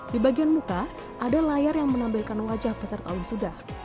di bagian muka ada layar yang menampilkan wajah peserta wisuda